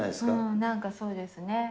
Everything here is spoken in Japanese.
なんかそうですね。